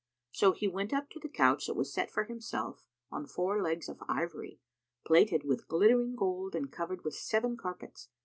So he went up to the couch that was set for himself on four legs of ivory, plated with glittering gold and covered with seven carpets.